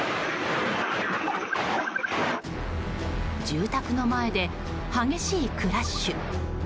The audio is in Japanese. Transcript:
住宅の前で激しいクラッシュ。